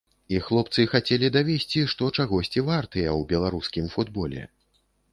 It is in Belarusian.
І хлопцы хацелі давесці, што чагосьці вартыя ў беларускім футболе.